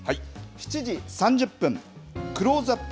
７時３０分、クローズアップ